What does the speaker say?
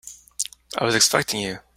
I was expecting you.